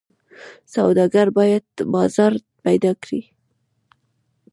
سوداګر باید بازار پیدا کړي.